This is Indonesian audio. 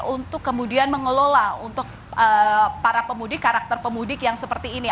untuk kemudian mengelola untuk para pemudik karakter pemudik yang seperti ini